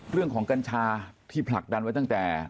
เรื่องของกัญชาที่ผลักดันไว้ตั้งแต่